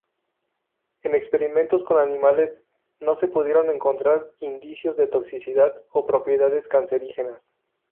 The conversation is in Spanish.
En experimentos con animales no se pudieron encontrar indicios de toxicidad o propiedades cancerígenas.